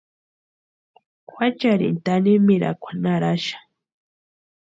Juachiarini tanimirhakwa naraxa.